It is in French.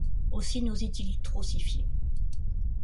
Aussi n’osait-il trop s’y fier.